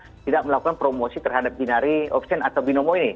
minta juga tidak melakukan promosi terhadap binary option atau binomo ini